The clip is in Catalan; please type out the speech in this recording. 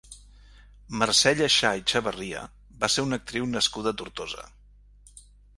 Mercè Lleixà i Chavarria va ser una actriu nascuda a Tortosa.